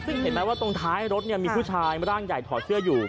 ซึ่งเห็นไหมว่าตรงท้ายรถมีผู้ชายร่างใหญ่ถอดเสื้ออยู่